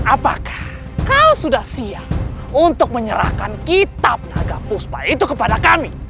apakah kau sudah siap untuk menyerahkan kitab naga puspa itu kepada kami